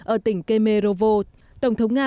ở tỉnh kemerovo tổng thống nga